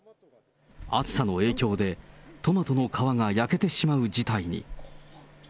暑さの影響で、トマトの皮が焼けてしまう事態に。